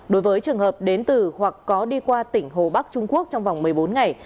đối với trường hợp đến từ hoặc có đi qua tỉnh hồ bắc trung quốc trong vòng một mươi bốn ngày